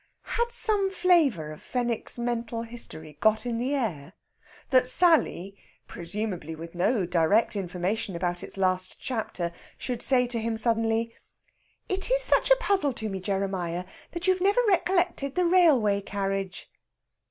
Had some flavour of Fenwick's mental history got in the air, that Sally, presumably with no direct information about its last chapter, should say to him suddenly: "It is such a puzzle to me, Jeremiah, that you've never recollected the railway carriage"?